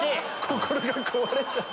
心が壊れちゃった。